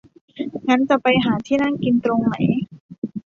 งั้นจะไปหาที่นั่งกินตรงไหน